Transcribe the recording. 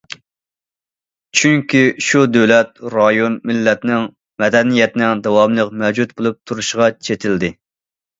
چۈنكى شۇ دۆلەت، رايون، مىللەتنىڭ، مەدەنىيەتنىڭ، داۋاملىق مەۋجۇت بولۇپ تۇرۇشىغا چېتىلدى.